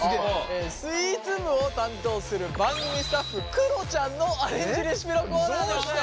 スイーツ部を担当する番組スタッフくろちゃんのアレンジレシピのコーナーです。